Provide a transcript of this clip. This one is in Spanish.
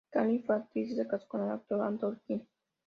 Katherine fue actriz y se casó con el actor Anthony Quinn.